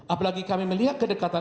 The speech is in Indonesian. apalagi kami melihat kedekatan